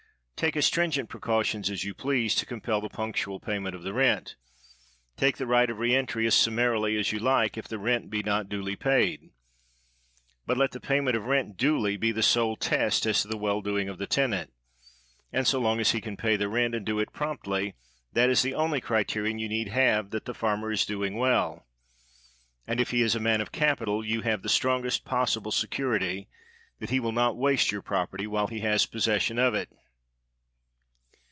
Take as stringent precautions as you please to compel the punctual payment of the rent; take the right of reentry as summarily as you like if the rent be not duly paid, but let the payment of rent duly be the sole test as to the well doing of the tenant; and so long as he can pay the rent, and do it promptly, that is the only criterion you need have that the farmer is doing well ; and if he is a man of capital, you have the strongest possible security that he will 161 COBDEN not waste your property while he has possession of it.